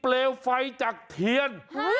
เปลวไฟจากเทียน